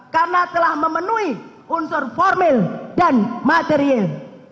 karena telah memenuhi unsur formil dan materiel